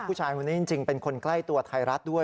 ผู้หญิงคนนี้จริงเป็นคนใกล้ตัวไทยรัฐด้วย